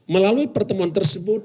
melalui pertemuan tersebut